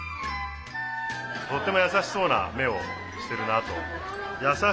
とってもやさしそうな目をしてるなぁと。